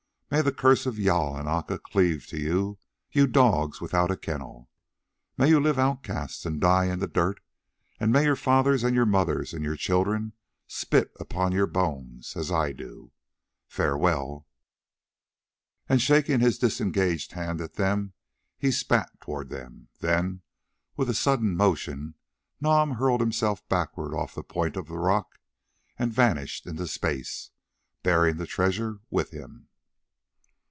May the curse of Jâl and Aca cleave to you, you dogs without a kennel! May you live outcasts and die in the dirt, and may your fathers and your mothers and your children spit upon your bones as I do! Farewell!" And shaking his disengaged hand at them he spat towards them; then with a sudden motion Nam hurled himself backwards off the point of rock and vanished into space, bearing the treasure with him.